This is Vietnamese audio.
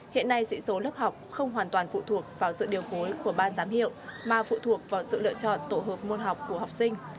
hiện nay sĩ số lớp học không hoàn toàn phụ thuộc vào sự điều phối của ban giám hiệu mà phụ thuộc vào sự lựa chọn tổ hợp môn học của học sinh